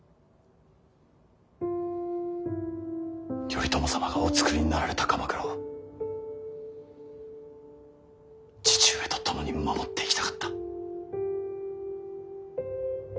頼朝様がおつくりになられた鎌倉を父上と共に守っていきたかった。